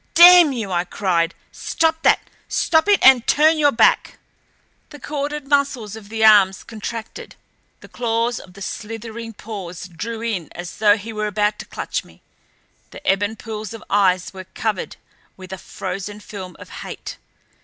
"Damn you!" I cried. "Stop that. Stop it and turn your back." The corded muscles of the arms contracted, the claws of the slithering paws drew in as though he were about to clutch me; the ebon pools of eyes were covered with a frozen film of hate.